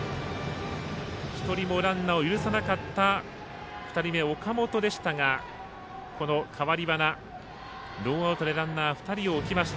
１人もランナーを許さなかった２人目、岡本でしたが代わり端、ノーアウトでランナー２人を置きました。